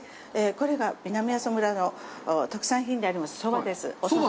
これが南阿蘇村の特産品でありますそばです。